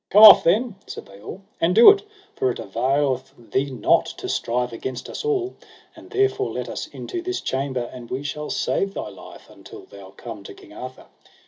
Come off then, said they all, and do it, for it availeth thee not to strive against us all; and therefore let us into this chamber, and we shall save thy life until thou come to King Arthur.